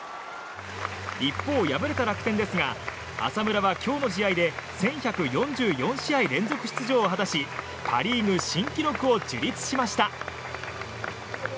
一方、敗れた楽天ですが浅村は今日の試合で１１４４試合連続出場を果たしパ・リーグ新記録を樹立しました。